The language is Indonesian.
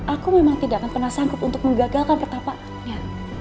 aku memang tidak akan pernah sanggup untuk menggagalkan pertamanya